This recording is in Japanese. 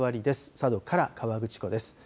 佐渡から河口湖です。